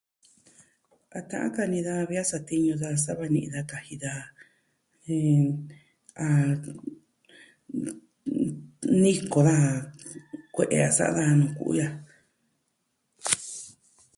A ka'an kani da ve a satiñu daa sava ni da kaji daa. Jen.. ah... nejiko daja kue'e a sa'a daja nu kuiya.